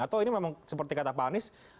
atau ini memang seperti kata pak anies